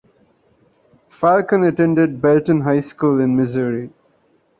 Falcon attended Belton High School in Missouri.